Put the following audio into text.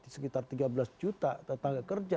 sekitar tiga belas juta tenaga kerja